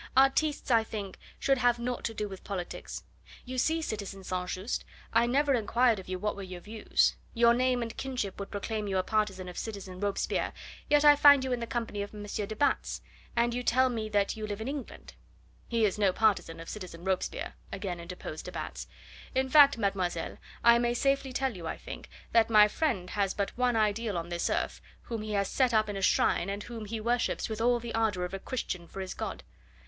Artistes, I think, should have naught to do with politics. You see, citizen St. Just, I never inquired of you what were your views. Your name and kinship would proclaim you a partisan of citizen Robespierre, yet I find you in the company of M. de Batz; and you tell me that you live in England." "He is no partisan of citizen Robespierre," again interposed de Batz; "in fact, mademoiselle, I may safely tell you, I think, that my friend has but one ideal on this earth, whom he has set up in a shrine, and whom he worships with all the ardour of a Christian for his God."